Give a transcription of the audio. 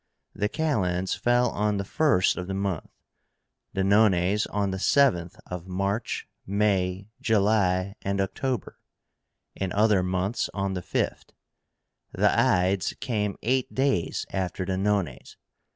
The Kalends fell on the first of the month; the Nones, on the 7th of March, May, July, and October; in other months, on the 5th. The Ides came eight days after the Nones.